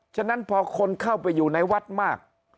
ฉะนั้นพอคนเข้าไปอยู่ในวัดมาก